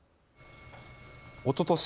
おととし